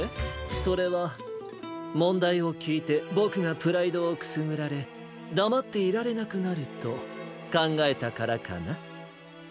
それはもんだいをきいてボクがプライドをくすぐられだまっていられなくなるとかんがえたからかな？